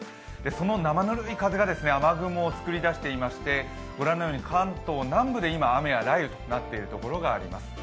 その生ぬるい風が雨雲を作り出していましてご覧のように関東南部で今、雨や雷雨となっている所があります。